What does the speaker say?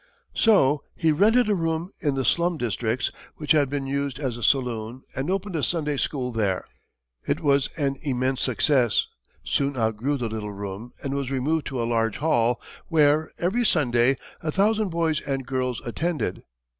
So he rented a room in the slum districts which had been used as a saloon and opened a Sunday school there. It was an immense success, soon outgrew the little room, and was removed to a large hall, where, every Sunday, a thousand boys and girls attended.